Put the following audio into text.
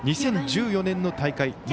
２０１４年の大会。